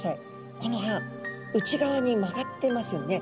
この歯内側に曲がってますよね。